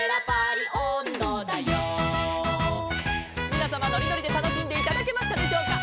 「みなさまのりのりでたのしんでいただけましたでしょうか」